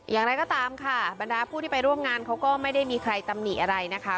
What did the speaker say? อย่างไรก็ตามค่ะบรรดาผู้ที่ไปร่วมงานเขาก็ไม่ได้มีใครตำหนิอะไรนะคะ